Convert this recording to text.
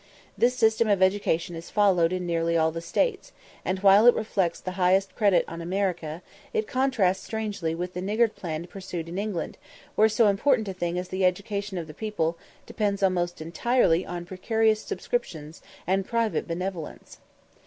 This system of education is followed in nearly all the States; and while it reflects the highest credit on America, it contrasts strangely with the niggard plan pursued in England, where so important a thing as the education of the people depends almost entirely on precarious subscriptions and private benevolence.